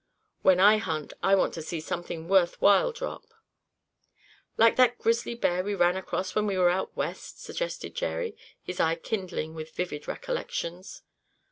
When I hunt, I want to see something worth while drop." "Like that grizzly bear we ran across when we were out West?" suggested Jerry, his eyes kindling with vivid recollections.